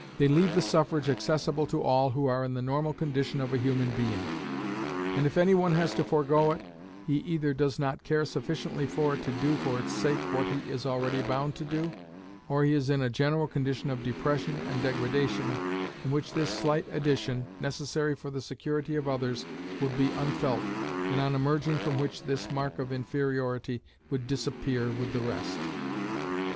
They leave the suffrage accessible to all who are in the normal condition of a human being; and if any one has to forego it, he either does not care sufficiently for it to do for its sake what he is already bound to do, or he is in a general condition of depression and degradation in which this slight addition, necessary for the security of others, would be unfelt, and on emerging from which this mark of inferiority would disappear with the rest.